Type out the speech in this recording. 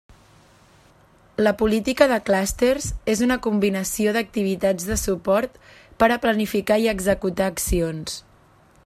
La política de clústers és una combinació d'activitats de suport per a planificar i executar accions.